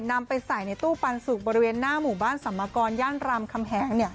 นำไปใส่ในตู้ปันสุขบริเวณหน้าหมู่บ้านสำมกรยั่นรำคำแหงเนี่ย